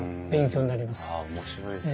あ面白いですね。